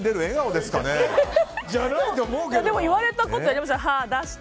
でも言われたことはやりました。